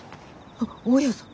あっ大家さん。